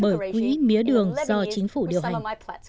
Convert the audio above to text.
bởi quỹ mía đường do chính phủ điều hành